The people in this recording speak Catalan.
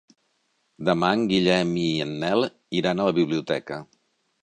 Demà en Guillem i en Nel iran a la biblioteca.